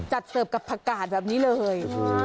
เสิร์ฟกับผักกาศแบบนี้เลย